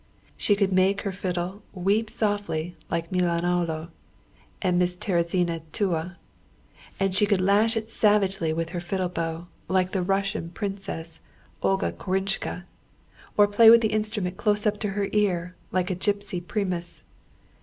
She could make her fiddle weep softly like Milanollo and Miss Terezina Tua, and she could lash it savagely with her fiddle bow like the Russian Princess Olga Korinshka, or play with the instrument close up to ear like a gipsy primás.